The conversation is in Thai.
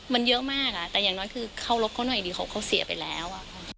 มันเยอะมากแต่อย่างน้อยคือเคารพเขาหน่อยดีเขาเสียไปแล้ว